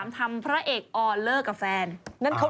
ทำพระเอกออนเลิกกับแฟน